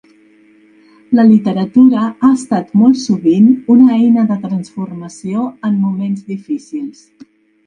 La literatura ha estat molt sovint una eina de transformació en moments difícils.